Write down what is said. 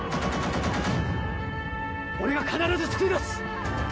俺が必ず救い出す！